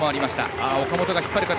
岡本が引っ張る形。